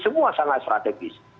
semua sangat strategis